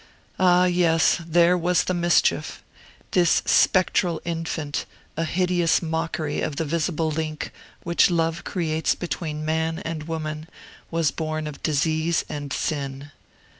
Ah, yes! There was the mischief. This spectral infant, a hideous mockery of the visible link which Love creates between man and woman, was born of disease and sin.